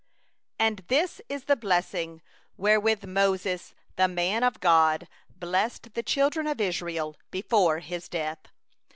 .... And this is the blessing wherewith Moses the man of God blessed the children of Israel before his death.